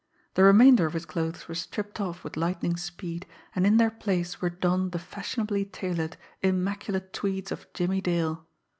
The remainder of his clothes were stripped off with lightning speed, and in their place were donned the fashionably tailored, immaculate tweeds of Jimmie Dale.